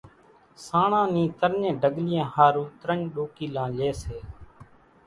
سانڻان نِي ترڃين ڍڳليان ۿارُو ترڃ ڏوڪيلا لئي سي،